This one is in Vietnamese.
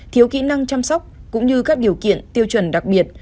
thiếu kỹ năng chăm sóc cũng như các điều kiện tiêu chuẩn đặc biệt